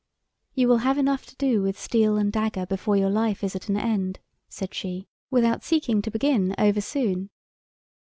"You will have enough to do with steel and dagger before your life is at an end," said she, "without seeking to begin over soon."